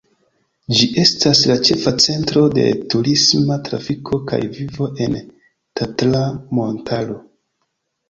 Ĝi estas la ĉefa centro de turisma trafiko kaj vivo en Tatra-montaro.